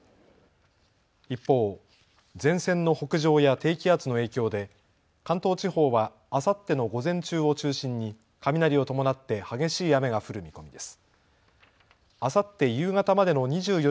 一方、前線の北上や低気圧の影響で関東地方はあさっての午前中を中心に雷を伴って激しい雨が降る見込みです。